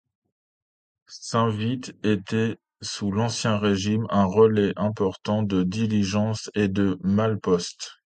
Saint-Vit était, sous l'ancien régime, un relais important de diligences et de malle-poste.